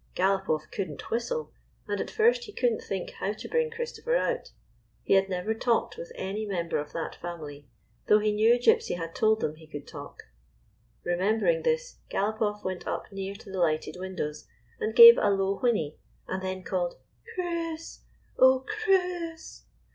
Galopoff could n't whistle, and at first lie could n't think how to bring Christopher out. He had never talked with any member of that family, though he knew Gypsy had told them he could talk. Bemembering this, Galopoff went up near to the lighted windows, and gave a low whinny, and then called " Chris, oh, Chris